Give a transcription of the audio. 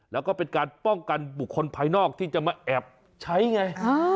แล้วก็เป็นการป้องกันบุคคลภายนอกที่จะมาแอบใช้ไง